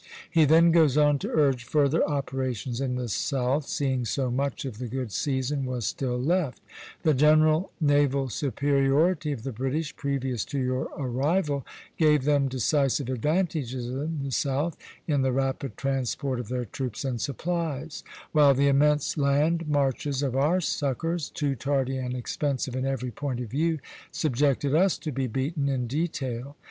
He then goes on to urge further operations in the South, seeing so much of the good season was still left: "The general naval superiority of the British, previous to your arrival, gave them decisive advantages in the South, in the rapid transport of their troops and supplies; while the immense land marches of our succors, too tardy and expensive in every point of view, subjected us to be beaten in detail.